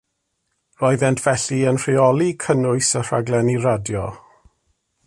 Roeddent felly yn rheoli cynnwys y rhaglenni radio